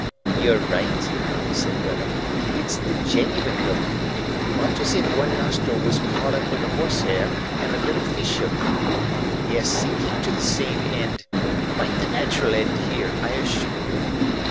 "You're right," said Wemmick; "it's the genuine look. Much as if one nostril was caught up with a horse hair and a little fish hook. Yes, he came to the same end; quite the natural end here, I assure you.